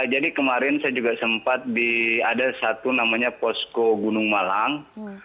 jadi kemarin saya juga sempat di ada satu namanya posko gunung malang